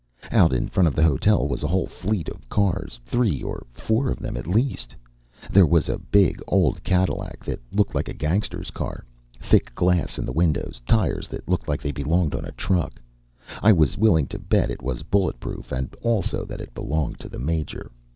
Out in front of the hotel was a whole fleet of cars three or four of them, at least. There was a big old Cadillac that looked like a gangsters' car thick glass in the windows, tires that looked like they belonged on a truck. I was willing to bet it was bulletproof and also that it belonged to the Major.